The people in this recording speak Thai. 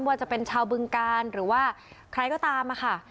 ว่าจะเป็นชาวบึงการหรือว่าใครก็ตามอะค่ะ